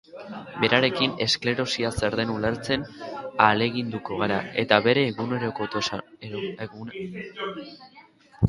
Berarekin esklerosia zer den ulertzen ahaleginduko gara eta bere egunerokotasunean sartuko dira.